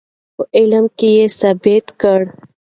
په عمل کې یې ثابته کړو.